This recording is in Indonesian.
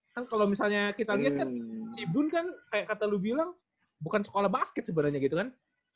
kan kalo misalnya kita liat kan cibun kan kayak kata lo bilang bukan sekolah basket sebenernya gitu kan